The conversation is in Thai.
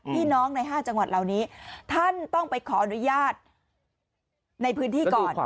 ใน๕จังหวัดเหล่านี้ท่านต้องไปขออนุญาตในพื้นที่ก่อน